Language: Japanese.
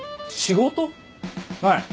はい。